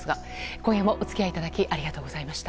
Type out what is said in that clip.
今夜もお付き合いいただきありがとうございました。